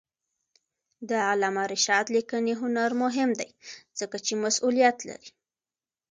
د علامه رشاد لیکنی هنر مهم دی ځکه چې مسئولیت لري.